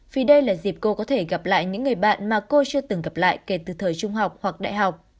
vì đây là dịp cô có thể gặp lại những người bạn mà cô chưa từng gặp lại kể từ thời trung học hoặc đại học